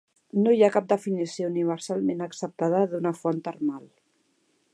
No hi ha cap definició universalment acceptada d'una font termal.